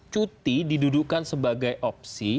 cuti didudukan sebagai opsi